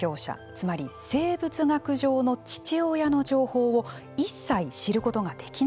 つまり、生物学上の父親の情報を一切知ることができないんです。